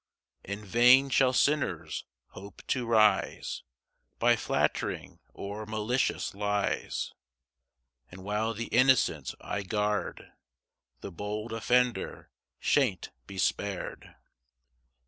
] 6 In vain shall sinners hope to rise By flattering or malicious lies; And while the innocent I guard, The bold offender shan't be spar'd.